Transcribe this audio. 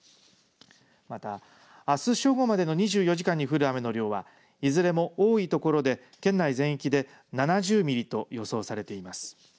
また、あす正午までの２４時間に降る雨の量はいずれも多い所で、県内全域で７０ミリと予想されています。